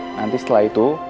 nanti setelah itu